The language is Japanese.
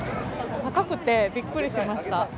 高くてびっくりしました。